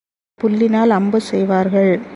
ஒரு புல்லினால் அம்பு செய்வார்கள்.